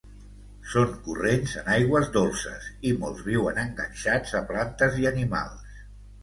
Són corrents en aigües dolces i molts viuen enganxats a plantes i animals.